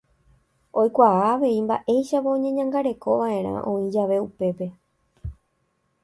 Oikuaa avei mba'éichapa oñeñangarekova'erã oĩ jave upépe.